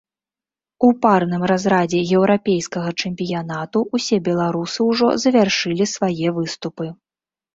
У парным разрадзе еўрапейскага чэмпіянату ўсе беларусы ўжо завяршылі свае выступы.